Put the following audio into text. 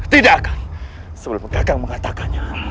tidak akan sebelum pedagang mengatakannya